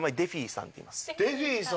デフィーさん。